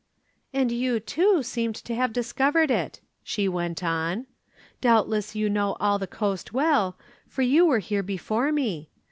"And you, too, seemed to have discovered it," she went on. "Doubtless you know all the coast well, for you were here before me.